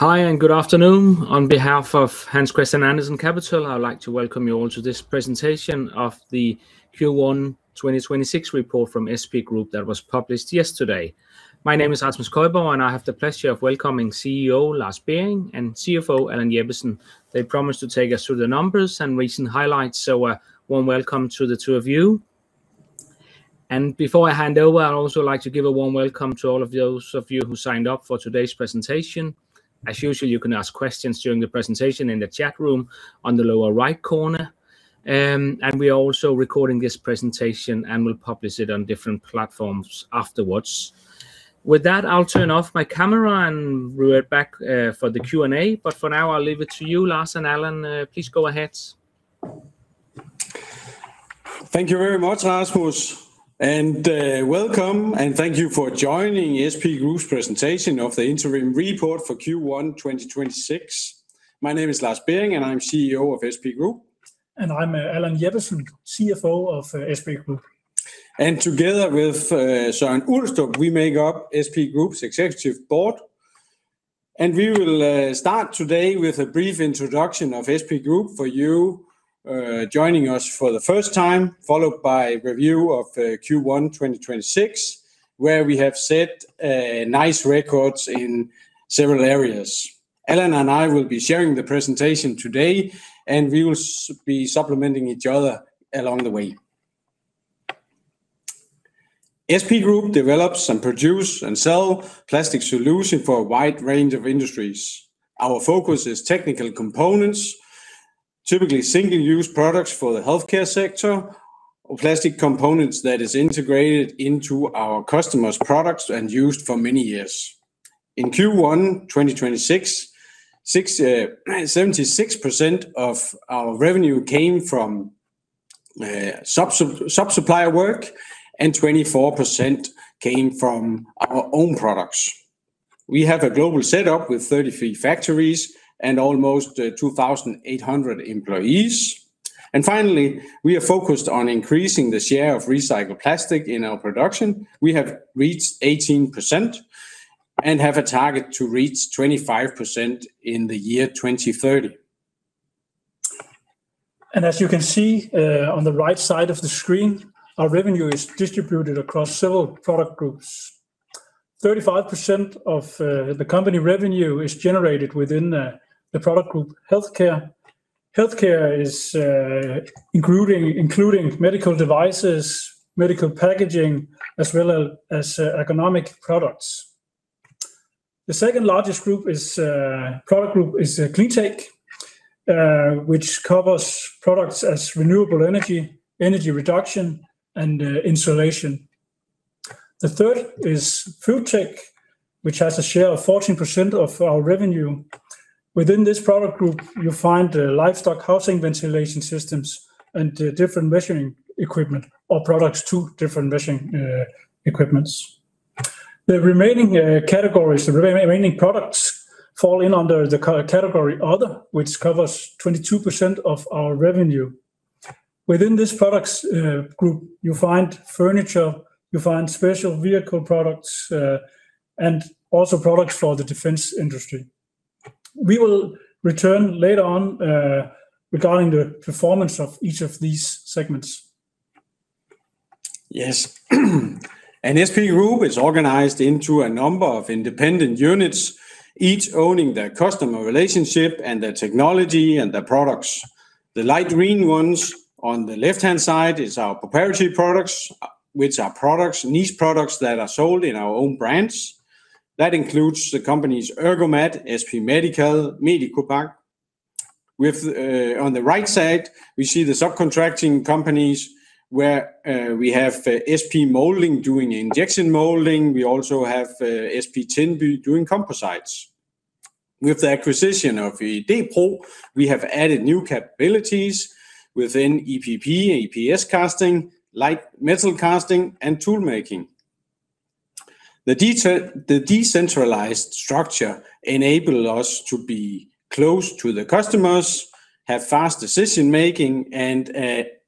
Hi, good afternoon. On behalf of HC Andersen Capital, I would like to welcome you all to this presentation of the Q1 2026 report from SP Group that was published yesterday. My name is Rasmus Køjborg, and I have the pleasure of welcoming CEO Lars Bering and CFO Allan Jeppesen. They promised to take us through the numbers and recent highlights, warm welcome to the two of you. Before I hand over, I'd also like to give a warm welcome to all of those of you who signed up for today's presentation. As usual, you can ask questions during the presentation in the chat room on the lower right corner. We are also recording this presentation, and we'll publish it on different platforms afterwards. With that, I'll turn off my camera and we're back for the Q&A. For now, I'll leave it to you, Lars and Allan. Please go ahead. Thank you very much, Rasmus. Welcome, and thank you for joining SP Group's presentation of the interim report for Q1 2026. My name is Lars Bering, and I'm CEO of SP Group. I'm Allan Jeppesen, CFO of, SP Group. Together with Søren Ulstrup, we make up SP Group's executive board. We will start today with a brief introduction of SP Group for you joining us for the first time, followed by review of Q1 2026, where we have set nice records in several areas. Allan and I will be sharing the presentation today, and we will be supplementing each other along the way. SP Group develops and produce and sell plastic solution for a wide range of industries. Our focus is technical components, typically single-use products for the healthcare sector, or plastic components that is integrated into our customers' products and used for many years. In Q1 2026, 76% of our revenue came from sub-supplier work, and 24% came from our own products. We have a global setup with 33 factories and almost 2,800 employees. Finally, we are focused on increasing the share of recycled plastic in our production. We have reached 18% and have a target to reach 25% in the year 2030. As you can see, on the right side of the screen, our revenue is distributed across several product groups. 35% of the company revenue is generated within the product group Healthcare. Healthcare is including medical devices, medical packaging, as well as ergonomic products. The second-largest product group is Cleantech, which covers products as renewable energy reduction, and insulation. The third is FoodTech, which has a share of 14% of our revenue. Within this product group, you find livestock housing ventilation systems and different measuring equipment, or products to different measuring equipment. The remaining categories, remaining products fall in under the category other, which covers 22% of our revenue. Within this products group, you find furniture, you find special vehicle products, and also products for the defense industry. We will return later on regarding the performance of each of these segments. Yes. SP Group is organized into a number of independent units, each owning their customer relationship and their technology and their products. The light green ones on the left-hand side is our proprietary products, which are products, niche products that are sold in our own brands. That includes the companies Ergomat, SP Medical, MedicoPack. On the right side, we see the subcontracting companies where we have SP Moulding doing injection molding. We also have SP Tinby doing composites. With the acquisition of Idé-Pro, we have added new capabilities within EPP, EPS casting, light metal casting, and tool making. The decentralized structure enable us to be close to the customers, have fast decision-making, and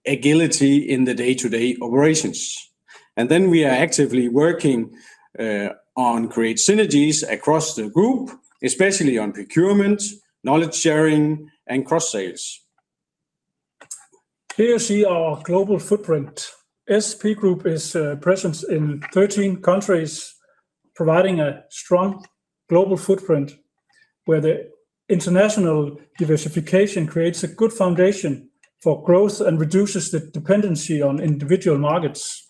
agility in the day-to-day operations. We are actively working on create synergies across the group, especially on procurement, knowledge sharing, and cross-sales. Here you see our global footprint. SP Group is present in 13 countries, providing a strong global footprint, where the international diversification creates a good foundation for growth and reduces the dependency on individual markets.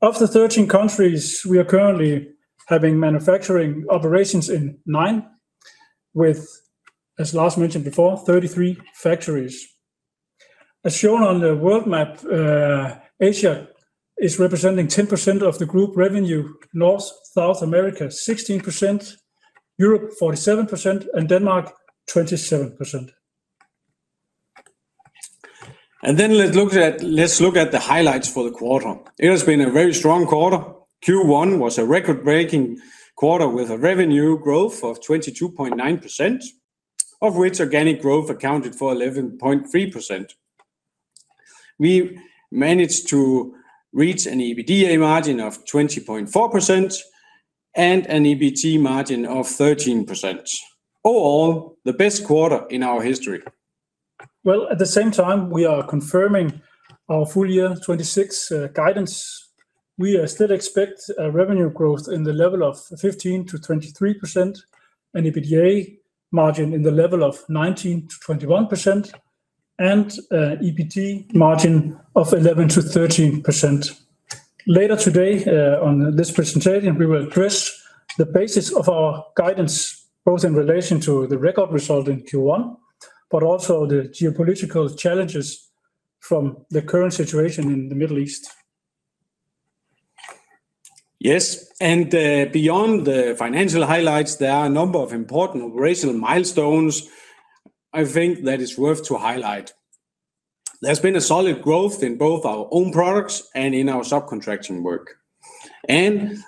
Of the 13 countries, we are currently having manufacturing operations in nine, with, as Lars mentioned before, 33 factories. As shown on the world map, Asia is representing 10% of the group revenue, North/South America 16%, Europe 47%, and Denmark 27%. Let's look at the highlights for the quarter. It has been a very strong quarter. Q1 was a record-breaking quarter with a revenue growth of 22.9%, of which organic growth accounted for 11.3%. We managed to reach an EBITDA margin of 20.4% and an EBT margin of 13%, or the best quarter in our history. At the same time, we are confirming our full year 2026 guidance. We still expect a revenue growth in the level of 15%-23%, an EBITDA margin in the level of 19%-21%, and EBT margin of 11%-13%. Later today, on this presentation, we will address the basis of our guidance, both in relation to the record result in Q1, but also the geopolitical challenges from the current situation in the Middle East. Yes, beyond the financial highlights, there are a number of important operational milestones I think that is worth to highlight. There's been a solid growth in both our own products and in our subcontracting work,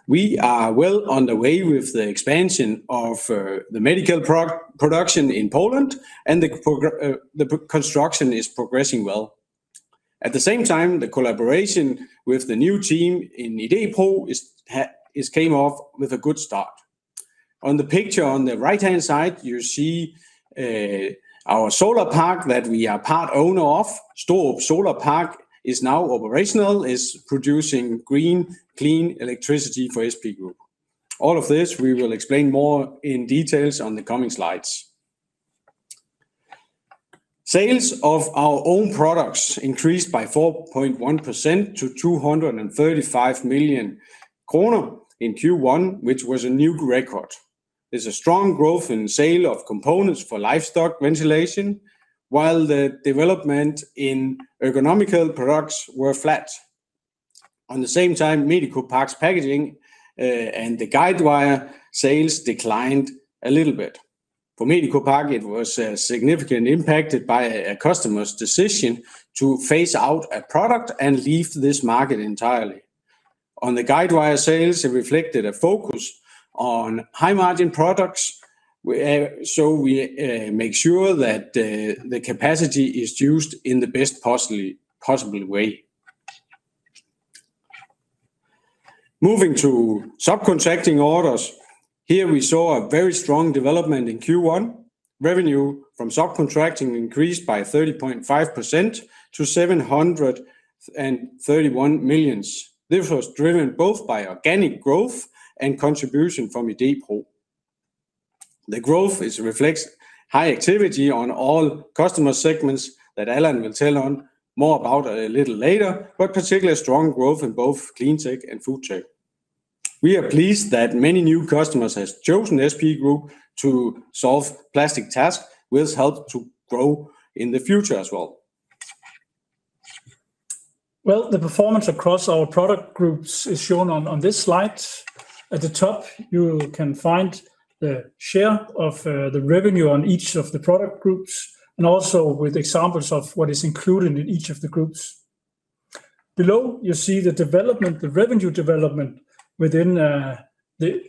we are well on the way with the expansion of the medical production in Poland and the construction is progressing well. At the same time, the collaboration with the new team in Idé-Pro is came off with a good start. On the picture on the right-hand side, you see our solar park that we are part owner of, Stourup Solar Park is now operational, is producing green, clean electricity for SP Group. All of this we will explain more in details on the coming slides. Sales of our own products increased by 4.1% to 235 million kroner in Q1, which was a new record. There's strong growth in sale of components for livestock ventilation, while the development in ergonomic products were flat. On the same time, MedicoPack's packaging and the guide wire sales declined a little bit. For MedicoPack, it was significantly impacted by a customer's decision to phase out a product and leave this market entirely. On the guide wire sales, it reflected a focus on high-margin products, so we make sure that the capacity is used in the best possible way. Moving to subcontracting orders, here we saw a very strong development in Q1. Revenue from subcontracting increased by 30.5% to 731 million. This was driven both by organic growth and contribution from Idé-Pro. The growth is reflects high activity on all customer segments that Allan will tell on more about a little later, but particularly strong growth in both Cleantech and Foodtech. We are pleased that many new customers has chosen SP Group to solve plastic tasks, which help to grow in the future as well. The performance across our product groups is shown on this slide. At the top, you can find the share of the revenue on each of the product groups, and also with examples of what is included in each of the groups. Below, you see the revenue development within the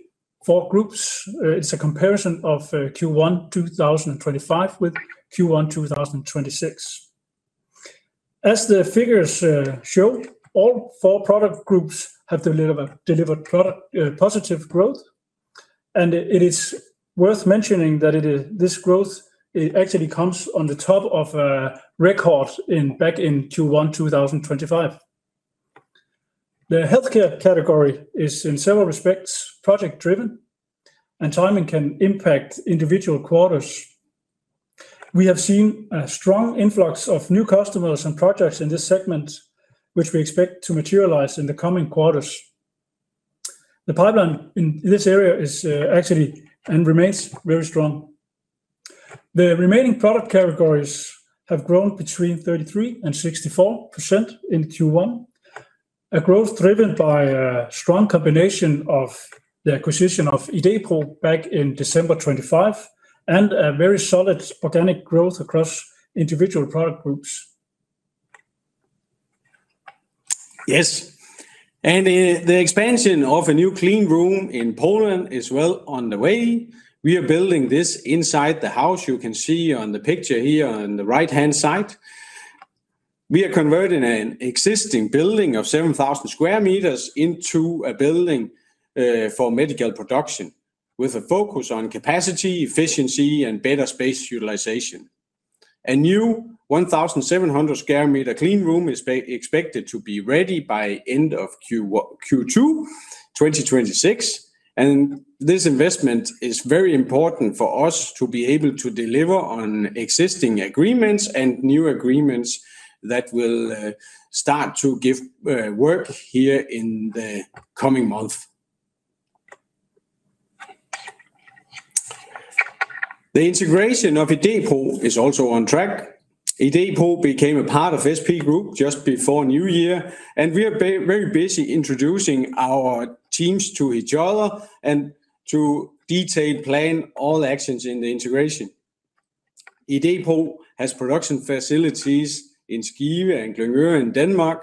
4 groups. It's a comparison of Q1 2025 with Q1 2026. As the figures show, all four product groups have delivered positive growth, and it is worth mentioning that this growth actually comes on the top of a record back in Q1 2025. The healthcare category is in several respects project-driven, and timing can impact individual quarters. We have seen a strong influx of new customers and projects in this segment, which we expect to materialize in the coming quarters. The pipeline in this area is, actually and remains very strong. The remaining product categories have grown between 33% and 64% in Q1, a growth driven by a strong combination of the acquisition of Idé-Pro back in December 2025 and a very solid organic growth across individual product groups. The expansion of a new cleanroom in Poland is well on the way. We are building this inside the house. You can see on the picture here on the right-hand side. We are converting an existing building of 7,000 square meters into a building for medical production with a focus on capacity, efficiency, and better space utilization. A new 1,700 square meter cleanroom is expected to be ready by end of Q2 2026, and this investment is very important for us to be able to deliver on existing agreements and new agreements that will start to give work here in the coming month. The integration of Idé-Pro is also on track. Idé-Pro became a part of SP Group just before New Year. We are very busy introducing our teams to each other and to detail plan all actions in the integration. Idé-Pro has production facilities in Skive and Køge in Denmark,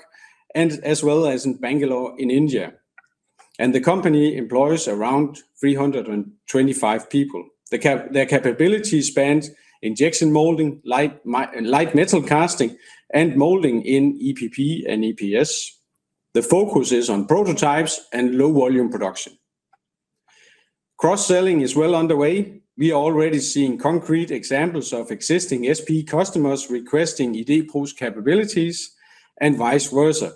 as well as in Bangalore in India. The company employs around 325 people. Their capabilities spans injection molding, light metal casting, and molding in EPP and EPS. The focus is on prototypes and low-volume production. Cross-selling is well underway. We are already seeing concrete examples of existing SP customers requesting Idé-Pro's capabilities, and vice versa.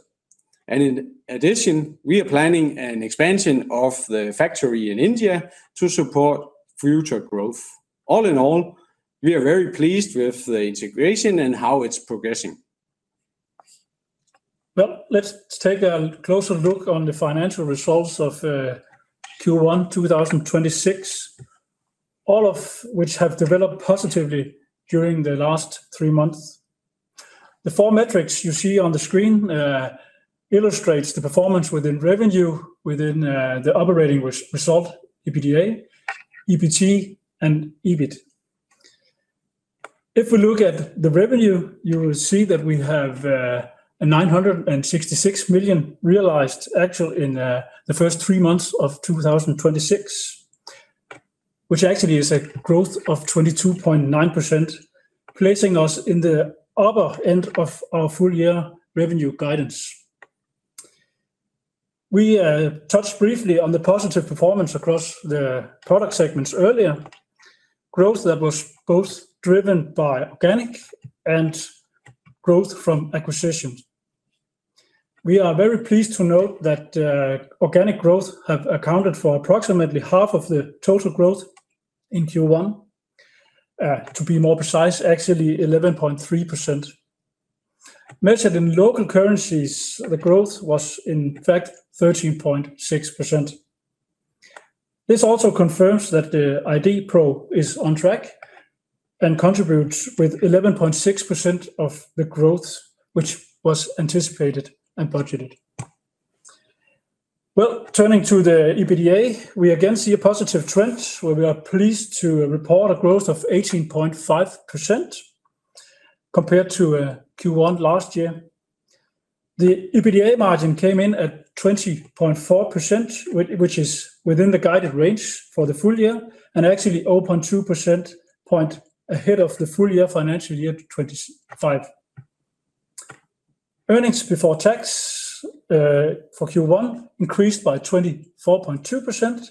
In addition, we are planning an expansion of the factory in India to support future growth. All in all, we are very pleased with the integration and how it's progressing. Let's take a closer look on the financial results of Q1 2026, all of which have developed positively during the last three months. The four metrics you see on the screen illustrates the performance within revenue, within the operating result, EBITDA, EBT, and EBIT. We look at the revenue, you will see that we have 966 million realized actual in the first three months of 2026, which actually is a growth of 22.9%, placing us in the upper end of our full year revenue guidance. We touched briefly on the positive performance across the product segments earlier. Growth that was both driven by organic and growth from acquisitions. We are very pleased to note that organic growth have accounted for approximately half of the total growth in Q1. To be more precise, actually 11.3%. Measured in local currencies, the growth was in fact 13.6%. This also confirms that the Idé-Pro is on track and contributes with 11.6% of the growth, which was anticipated and budgeted. Well, turning to the EBITDA, we again see a positive trend where we are pleased to report a growth of 18.5% compared to Q1 last year. The EBITDA margin came in at 20.4%, which is within the guided range for the full year, and actually 0.2% point ahead of the full year financial year 2025. Earnings before tax for Q1 increased by 24.2%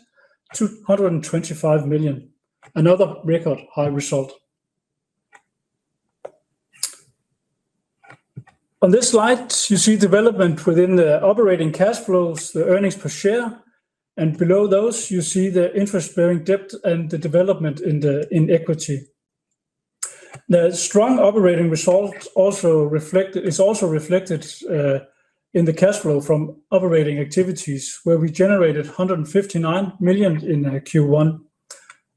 to 125 million, another record high result. On this slide, you see development within the operating cash flows, the earnings per share, and below those you see the interest-bearing debt and the development in equity. The strong operating results is also reflected in the cash flow from operating activities, where we generated 159 million in Q1,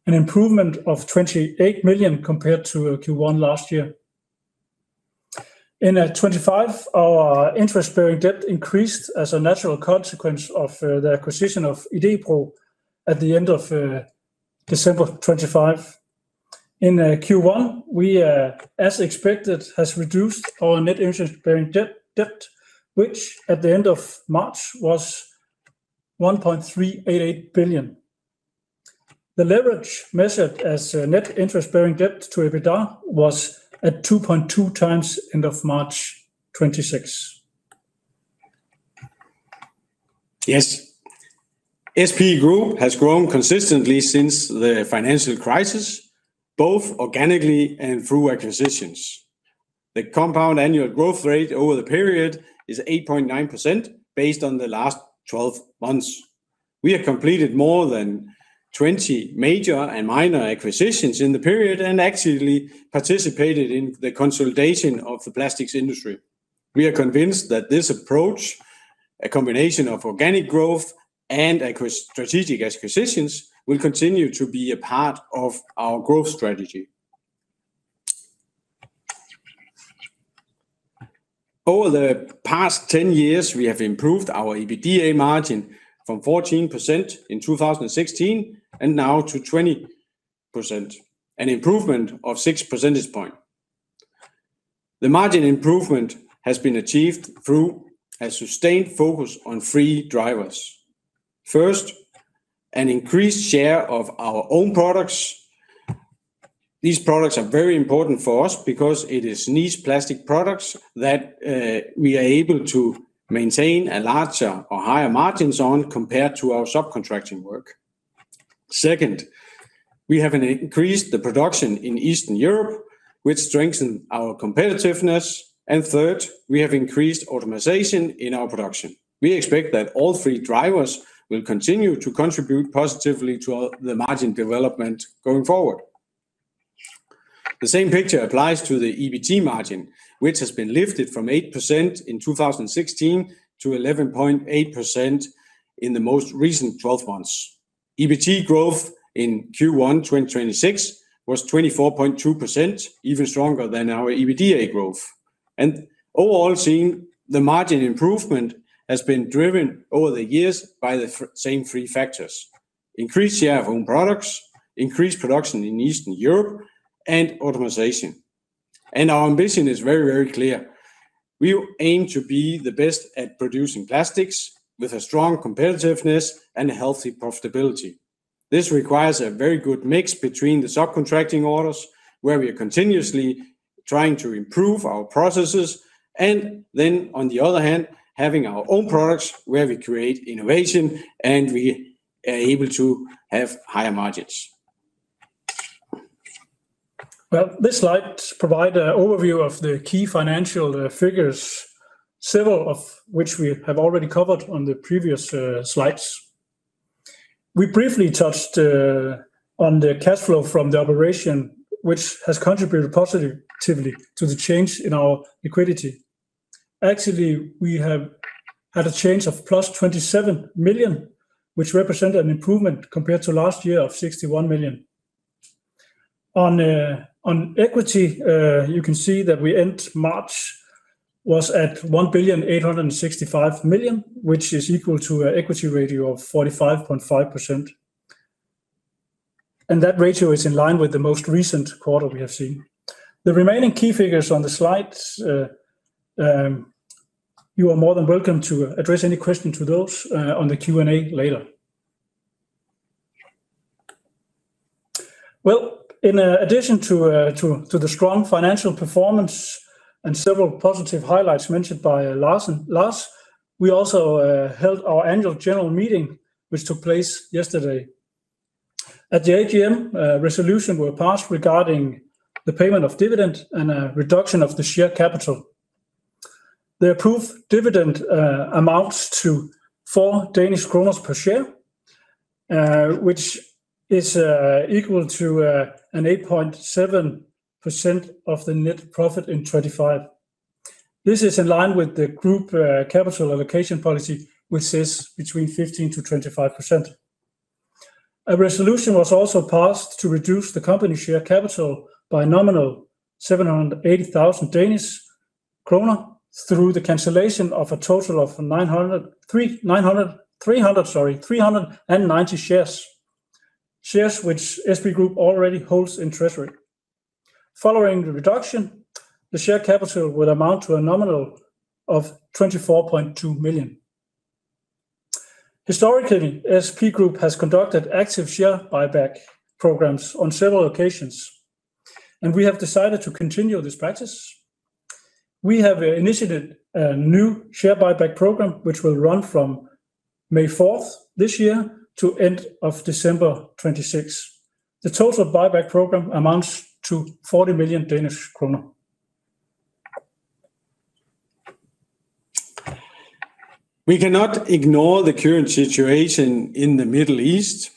an improvement of 28 million compared to Q1 last year. In 2025, our interest-bearing debt increased as a natural consequence of the acquisition of Idé-Pro at the end of December of 2025. In Q1, we, as expected, has reduced our net interest-bearing debt, which at the end of March was 1.388 billion. The leverage measured as net interest-bearing debt to EBITDA was at 2.2x end of March 2026. Yes. SP Group has grown consistently since the financial crisis, both organically and through acquisitions. The compound annual growth rate over the period is 8.9% based on the last 12 months. We have completed more than 20 major and minor acquisitions in the period, and actively participated in the consolidation of the plastics industry. We are convinced that this approach, a combination of organic growth and strategic acquisitions, will continue to be a part of our growth strategy. Over the past 10 years, we have improved our EBITDA margin from 14% in 2016, and now to 20%, an improvement of six percentage points. The margin improvement has been achieved through a sustained focus on three drivers. First, an increased share of our own products. These products are very important for us because it is niche plastic products that we are able to maintain a larger or higher margins on compared to our subcontracting work. Second, we have increased the production in Eastern Europe, which strengthened our competitiveness. Third, we have increased automatization in our production. We expect that all three drivers will continue to contribute positively to our, the margin development going forward. The same picture applies to the EBT margin, which has been lifted from 8% in 2016 to 11.8% in the most recent 12 months. EBT growth in Q1, 2026 was 24.2%, even stronger than our EBITDA growth. Overall seeing the margin improvement has been driven over the years by the same three factors, increased share of own products, increased production in Eastern Europe, and automatization. Our ambition is very, very clear. We aim to be the best at producing plastics with a strong competitiveness and healthy profitability. This requires a very good mix between the subcontracting orders, where we are continuously trying to improve our processes, and then on the other hand, having our own products where we create innovation, and we are able to have higher margins. Well, this slide provide a overview of the key financial figures, several of which we have already covered on the previous slides. We briefly touched on the cash flow from the operation, which has contributed positively to the change in our liquidity. Actually, we have had a change of plus 27 million, which represent an improvement compared to last year of 61 million. On equity, you can see that we end March was at 1.865 Billion, which is equal to a equity ratio of 45.5%, and that ratio is in line with the most recent quarter we have seen. The remaining key figures on the slides, you are more than welcome to address any question to those on the Q&A later. Well, in addition to the strong financial performance and several positive highlights mentioned by Lars, we also held our annual general meeting, which took place yesterday. At the AGM, a resolution were passed regarding the payment of dividend and a reduction of the share capital. The approved dividend amounts to 4 Danish kroner per share, which is equal to an 8.7% of the net profit in 2025. This is in line with the group capital allocation policy, which says between 15%-25%. A resolution was also passed to reduce the company share capital by a nominal 780,000 Danish kroner through the cancellation of a total of 390 shares which SP Group already holds in treasury. Following the reduction, the share capital will amount to a nominal of 24.2 million. Historically, SP Group has conducted active share buyback programs on several occasions, and we have decided to continue this practice. We have initiated a new share buyback program, which will run from May 4th this year to end of December 2026. The total buyback program amounts to 40 million Danish kroner. We cannot ignore the current situation in the Middle East.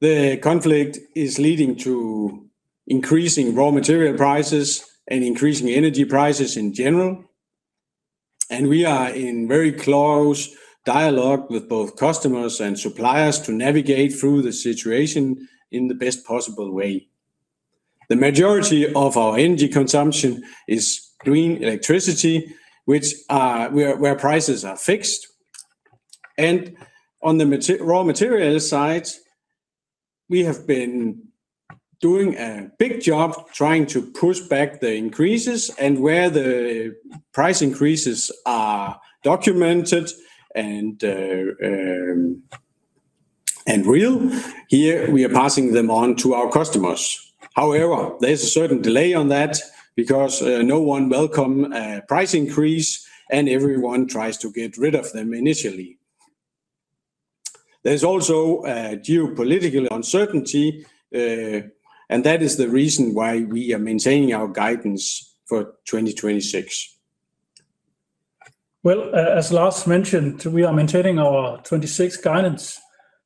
The conflict is leading to increasing raw material prices and increasing energy prices in general, and we are in very close dialogue with both customers and suppliers to navigate through the situation in the best possible way. The majority of our energy consumption is green electricity, where prices are fixed, and on the raw material side, we have been doing a big job trying to push back the increases, and where the price increases are documented and real, here we are passing them on to our customers. However, there's a certain delay on that because no one welcome a price increase, and everyone tries to get rid of them initially. There's also a geopolitical uncertainty, and that is the reason why we are maintaining our guidance for 2026. Well, as Lars mentioned, we are maintaining our 2026 guidance,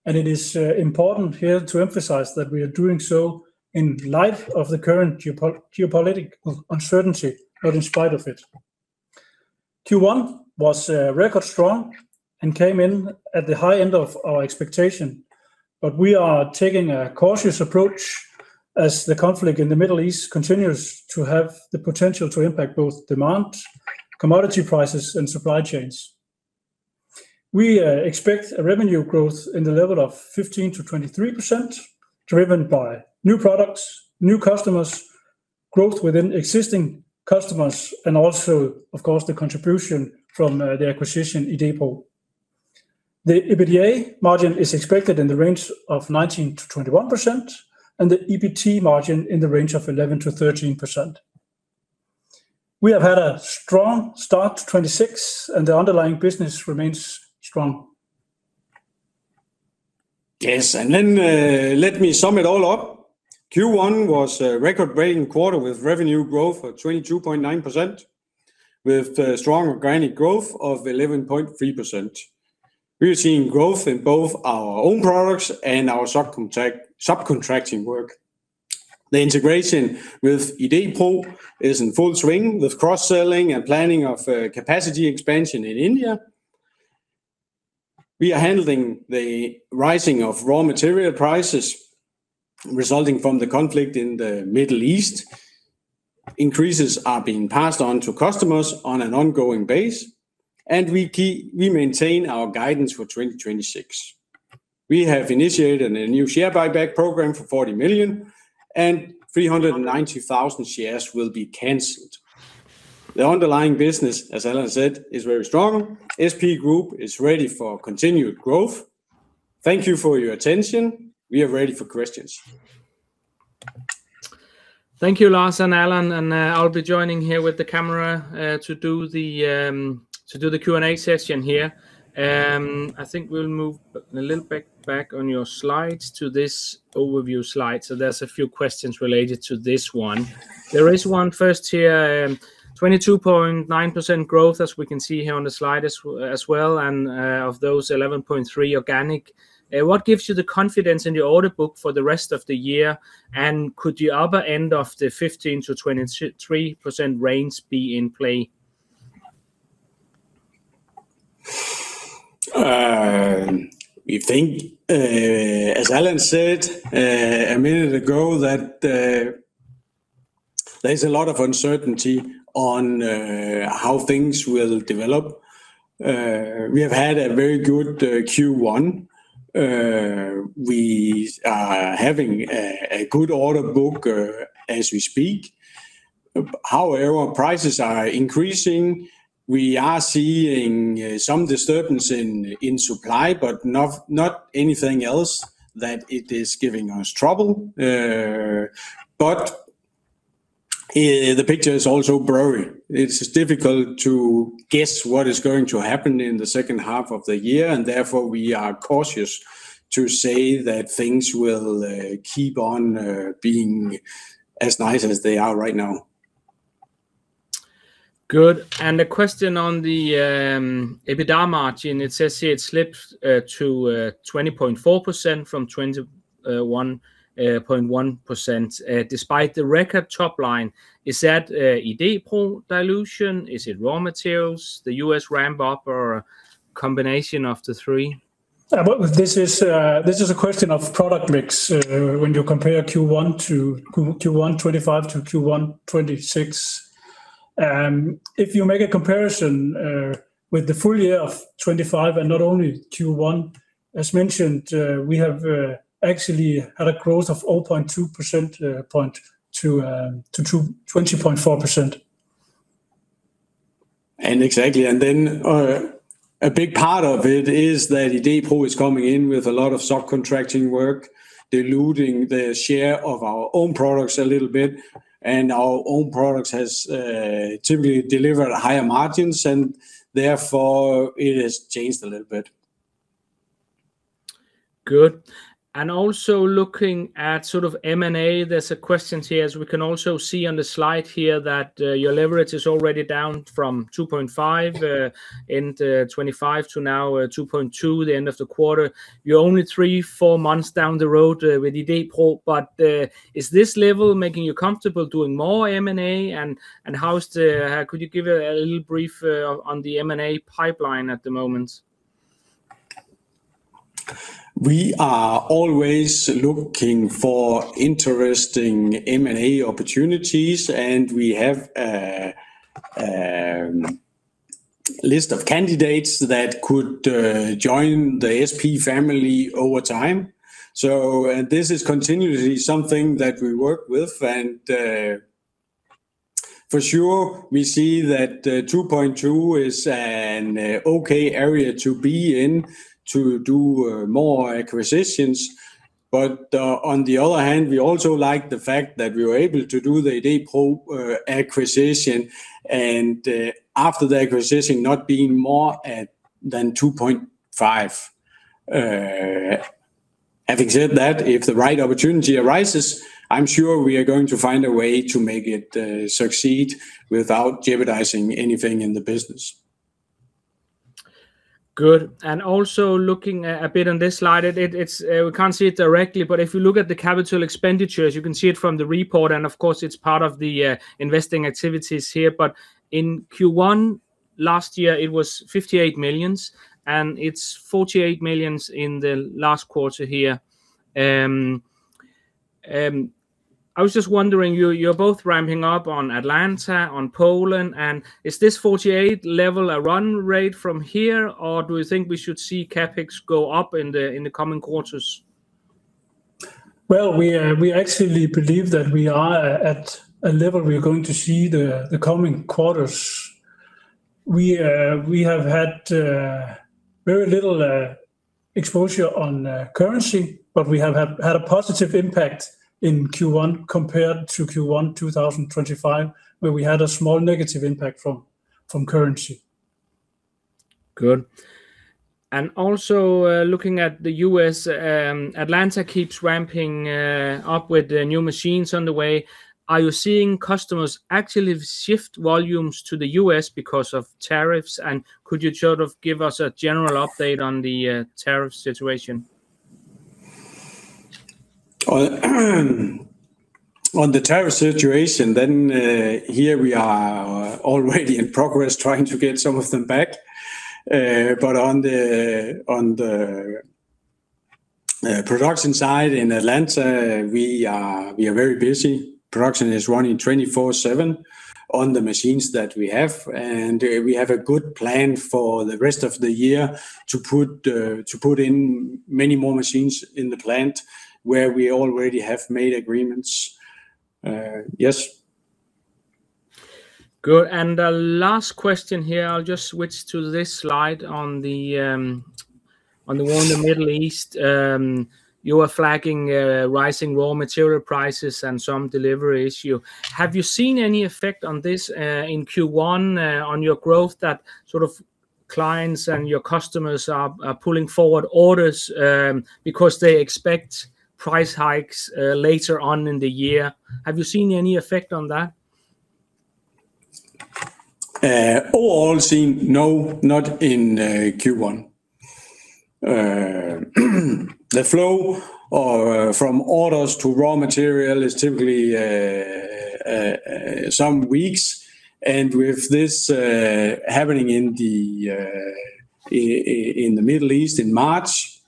and it is important here to emphasize that we are doing so in light of the current geopolitical uncertainty, but in spite of it. Q1 was record strong and came in at the high end of our expectation, but we are taking a cautious approach as the conflict in the Middle East continues to have the potential to impact both demand, commodity prices, and supply chains. We expect a revenue growth in the level of 15%-23% driven by new products, new customers, growth within existing customers, and also, of course, the contribution from the acquisition, Idé-Pro. The EBITDA margin is expected in the range of 19%-21%, and the EBT margin in the range of 11%-13%. We have had a strong start to 2026, and the underlying business remains strong. Let me sum it all up. Q1 was a record-breaking quarter with revenue growth of 22.9%, with a strong organic growth of 11.3%. We are seeing growth in both our own products and our subcontracting work. The integration with Idé-Pro is in full swing with cross-selling and planning of capacity expansion in India. We are handling the rising of raw material prices resulting from the conflict in the Middle East. Increases are being passed on to customers on an ongoing base, we maintain our guidance for 2026. We have initiated a new share buyback program for 40 million, 390,000 shares will be canceled. The underlying business, as Allan said, is very strong. SP Group is ready for continued growth. Thank you for your attention. We are ready for questions. Thank you, Lars and Allan, I'll be joining here with the camera to do the Q&A session here. I think we'll move a little bit back on your slides to this overview slide. There's a few questions related to this one. There is one first here, 22.9% growth as we can see here on the slide as well, of those 11.3% organic. What gives you the confidence in your order book for the rest of the year? Could the upper end of the 15%-23% range be in play? We think, as Allan said a minute ago, that there's a lot of uncertainty on how things will develop. We have had a very good Q1. We are having a good order book as we speak. Prices are increasing. We are seeing some disturbance in supply, but not anything else that it is giving us trouble. The picture is also blurry. It's difficult to guess what is going to happen in the second half of the year, therefore, we are cautious to say that things will keep on being as nice as they are right now. Good. A question on the EBITDA margin. It says here it slipped to 20.4% from 21.1% despite the record top line. Is that Idé-Pro dilution? Is it raw materials, the U.S. ramp up, or a combination of the three? Well, this is, this is a question of product mix, when you compare Q1 2025 to Q1 2026. If you make a comparison with the full year of 2025 and not only Q1, as mentioned, we have actually had a growth of 0.2% point to 20.4%. Exactly, and then, a big part of it is that Idé-Pro is coming in with a lot of subcontracting work, diluting the share of our own products a little bit, and our own products has typically delivered higher margins, and therefore, it has changed a little bit. Good. Also looking at sort of M&A, there's a question here, as we can also see on the slide here, that your leverage is already down from 2.5x, end of 2025 to now, 2.2x the end of the quarter. You're only three, four months down the road with Idé-Pro, but is this level making you comfortable doing more M&A? Could you give a little brief on the M&A pipeline at the moment? We are always looking for interesting M&A opportunities. We have a list of candidates that could join the SP family over time. This is continuously something that we work with. For sure, we see that 2.2x is an okay area to be in to do more acquisitions. On the other hand, we also like the fact that we were able to do the Idé-Pro acquisition, and after the acquisition, not being more at than 2.5x. Having said that, if the right opportunity arises, I'm sure we are going to find a way to make it succeed without jeopardizing anything in the business. Good. Also looking a bit on this slide, we can't see it directly, but if you look at the capital expenditures, you can see it from the report, and of course, it's part of the investing activities here. In Q1 last year, it was 58 million, and it's 48 million in the last quarter here. I was just wondering, you're both ramping up on Atlanta, on Poland, and is this 48 level a run rate from here, or do you think we should see CapEx go up in the coming quarters? We actually believe that we are at a level we're going to see the coming quarters. We have had very little exposure on currency, but we have had a positive impact in Q1 compared to Q1 2025, where we had a small negative impact from currency. Good. Also, looking at the U.S., Atlanta keeps ramping up with the new machines on the way. Are you seeing customers actually shift volumes to the U.S. because of tariffs, and could you sort of give us a general update on the tariff situation? On the tariff situation, here we are already in progress trying to get some of them back. On the production side in Atlanta, we are very busy. Production is running 24/7 on the machines that we have, and, we have a good plan for the rest of the year to put in many more machines in the plant where we already have made agreements. Yes. Good. The last question here, I'll just switch to this slide on the one in the Middle East. You are flagging rising raw material prices and some delivery issue. Have you seen any effect on this in Q1 on your growth that sort of clients and your customers are pulling forward orders because they expect price hikes later on in the year? Have you seen any effect on that? All seen, no, not in Q1. The flow from orders to raw material is typically some weeks, and with this happening in the Middle East in March,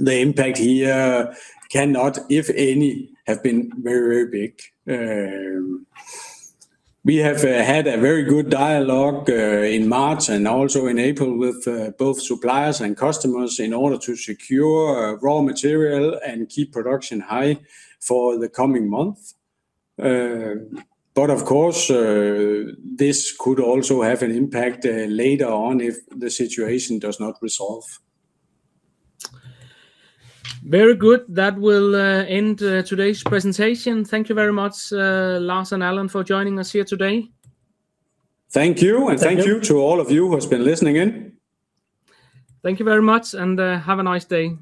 the impact here cannot, if any, have been very, very big. We have had a very good dialogue in March and also in April with both suppliers and customers in order to secure raw material and keep production high for the coming month. Of course, this could also have an impact later on if the situation does not resolve. Very good. That will end today's presentation. Thank you very much, Lars and Allan, for joining us here today. Thank you. Thank you to all of you who has been listening in. Thank you very much, and, have a nice day.